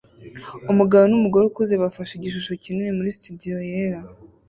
Umugabo numugore ukuze bafashe igishusho kinini muri studio yera